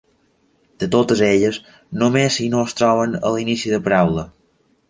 De totes elles, només i no es troben a l'inici de paraula.